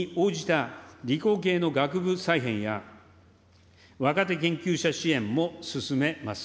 社会のニーズに応じた理工系の学部再編や、若手研究者支援も進めます。